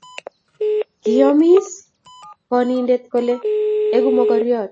kiyomis bonindet kole eku mokoriat